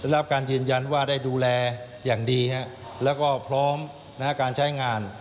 รับการยืนยันว่าได้ดูแลอย่างดีแล้วก็พร้อมการใช้งาน